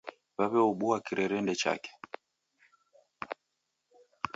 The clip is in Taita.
Waweobua kirerendi chake